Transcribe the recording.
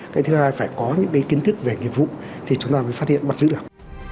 cái thứ hai phải có những cái kiến thức về nghiệp vụ thì chúng ta mới phát hiện bắt giữ được